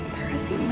terima kasih ma